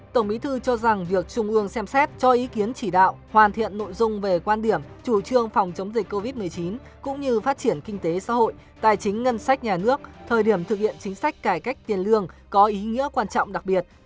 tổng bí thư cho rằng việc trung ương xem xét cho ý kiến chỉ đạo hoàn thiện nội dung về quan điểm chủ trương phòng chống dịch covid một mươi chín cũng như phát triển kinh tế xã hội tài chính ngân sách nhà nước thời điểm thực hiện chính sách cải cách tiền lương có ý nghĩa quan trọng đặc biệt